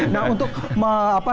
nah untuk apa namanya